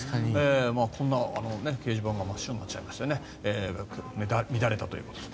こんな、掲示板が真っ白になっちゃいまして乱れたということです。